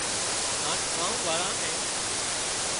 هانَ ڳام واۯان نين